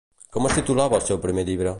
Com es titulava el seu primer llibre?